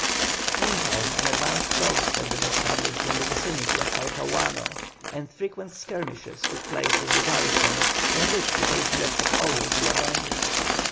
Meantime an advanced post had been established in the vicinity of Talcahuano, and frequent skirmishes took place with the garrison, in which the Patriots had always the advantage.